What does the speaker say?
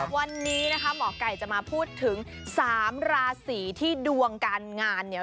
วันนี้นะคะหมอไก่จะมาพูดถึง๓ราศีที่ดวงการงานเนี่ย